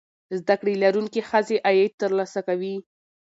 زده کړې لرونکې ښځې عاید ترلاسه کوي.